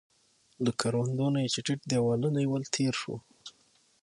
له کروندو نه چې ټیټ دیوالونه يې ول، تېر شوو.